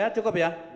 ya cukup ya